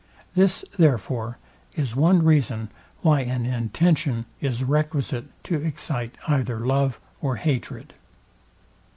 This therefore is one reason, why an intention is requisite to excite either love or hatred.